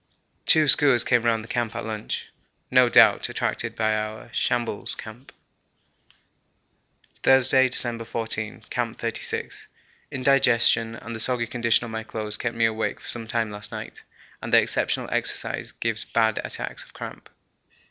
Two skuas came round the camp at lunch, no doubt attracted by our 'Shambles' camp. Thursday, December 14. Camp 36. Indigestion and the soggy condition of my clothes kept me awake for some time last night, and the exceptional exercise gives bad attacks of cramp.